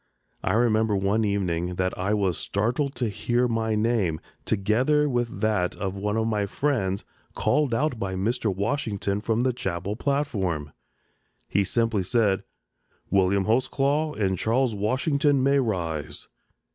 I remember one evening that I was startled to hear my name, together with that of one of my friends, called out by Mr. Washington from the chapel platform. He simply said, "William Holtzclaw and Charles Washington may rise."